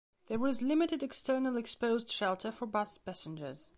There is limited external exposed shelter for bus passengers.